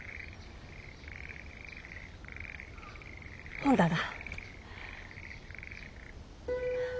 ほんだら。